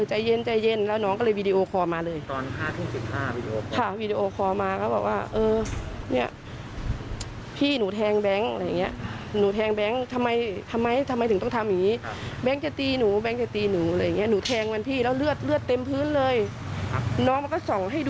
หน้าก็ส่งให้ที่เจ้าค่ะ